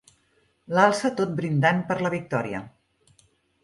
L'alça tot brindant per la victòria.